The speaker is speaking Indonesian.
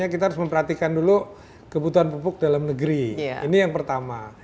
jadi kita harus memperhatikan dulu kebutuhan pupuk dalam negeri ini yang pertama